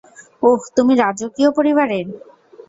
ওহ, তুমি রাজকীয় পরিবারের?